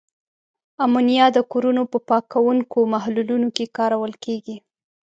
امونیا د کورونو په پاکوونکو محلولونو کې کارول کیږي.